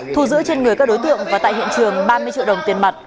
thu giữ trên người các đối tượng và tại hiện trường ba mươi triệu đồng tiền mặt